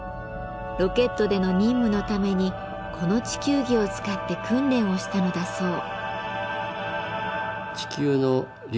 ロケットでの任務のためにこの地球儀を使って訓練をしたのだそう。